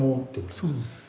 そうです。